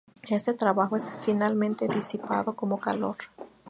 Este trabajo es finalmente disipado como calor.